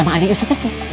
emang adiknya ustadz sefo